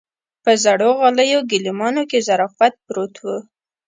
په زړو غاليو ګيلمانو کې ظرافت پروت و.